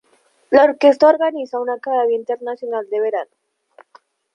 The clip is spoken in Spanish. La orquesta organiza una academia internacional de verano.